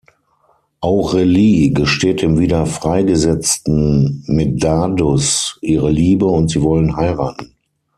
Aurelie gesteht dem wieder freigesetzten Medardus ihre Liebe und sie wollen heiraten.